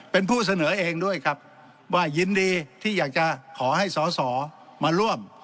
เป็นผู้เสนอเองด้วยครับว่ายินดีที่อยากจะขอให้สอสอมาร่วม